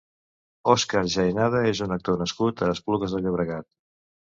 Óscar Jaenada és un actor nascut a Esplugues de Llobregat.